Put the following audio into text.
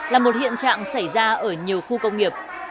là một hiện trạng xảy ra ở nhiều khu công nghiệp